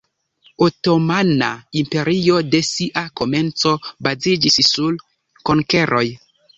Otomana Imperio de sia komenco baziĝis sur konkeroj.